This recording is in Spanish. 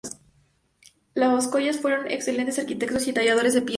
Los collas fueron excelentes arquitectos y talladores de piedra.